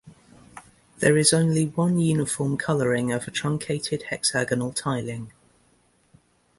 There is only one uniform coloring of a truncated hexagonal tiling.